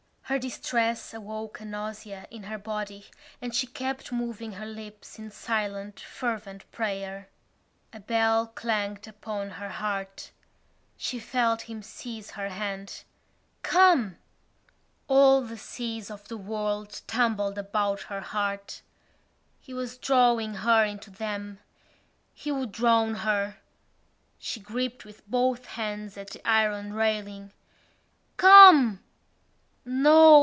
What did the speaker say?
Her distress awoke a nausea in her body and she kept moving her lips in silent fervent prayer. A bell clanged upon her heart. She felt him seize her hand: "Come!" All the seas of the world tumbled about her heart. He was drawing her into them: he would drown her. She gripped with both hands at the iron railing. "Come!" No! No!